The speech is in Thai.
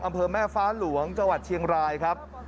อำเภอแม่ฟ้าหลวงจังหวัดเชียงรายครับ